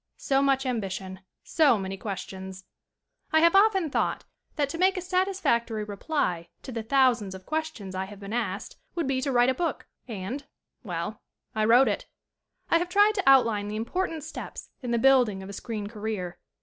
So much ambition ; so many questions ! I have often thought that to make a satis factory reply to the thousands of questions I have been asked would be to write a book, and well, I wrote it. I have tried to outline the important steps in the building of a screen career.